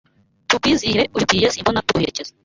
tukwizihire ubikwiye simbona tuguherekeza